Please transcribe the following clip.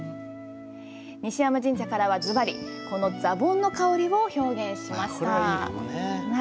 西山神社からは、ずばりザボンの香りを表現しました。